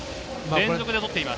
連続で取っています。